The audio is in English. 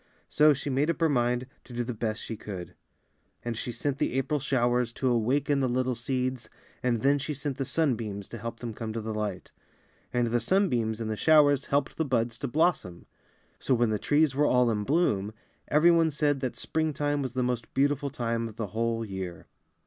So she made up her mind to do the best she could; and she sent the April FATHER TIME AND HIS CHILDREN. 19 showers to awaken the little seeds, and then she sent the sunbeams to help them to come to the light; and the sunbeams and the showers helped the buds to blossom. So when the trees were all in bloom, every one said that Spring time was the most beautiful time of the whole year.